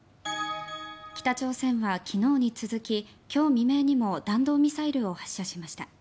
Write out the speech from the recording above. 北朝鮮は昨日に続き今日未明にも弾道ミサイルを発射しました。